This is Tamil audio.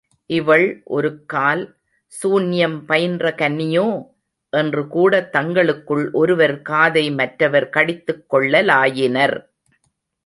இவள் ஒருக்கால், சூன்யம் பயின்ற கன்னியோ? என்று கூட தங்களுக்குள் ஒருவர் காதை மற்றவர் கடித்துக் கொள்ளலாயினர்.